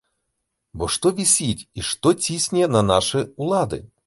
Бо што вісіць і што цісне на нашы ўлады?